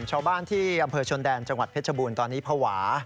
ชาวบ้านที่อำเภอชนแดนจังหวัดเพชรบูรณ์ตอนนี้ภาวะ